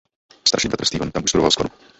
Starší bratr Stephen tam už studoval skladbu.